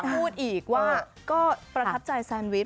พูดอีกว่าก็ประทับใจแซนวิช